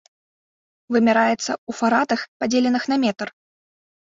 Вымяраецца ў фарадах, падзеленых на метр.